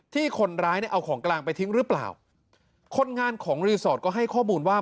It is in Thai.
ที่คนร้ายเนี่ยเอาของกลางไปทิ้งหรือเปล่าคนงานของรีสอร์ทก็ให้ข้อมูลว่า